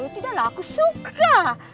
tidaklah aku suka